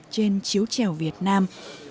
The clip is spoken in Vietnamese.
trên chiếu trèo việt nam